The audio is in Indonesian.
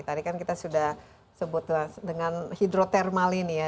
tadi kan kita sudah sebut dengan hidrotermal ini ya